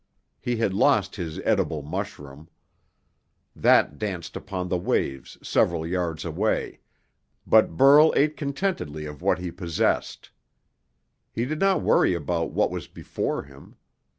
He had lost his edible mushroom. That danced upon the waves several yards away, but Burl ate contentedly of what he possessed. He did not worry about what was before him.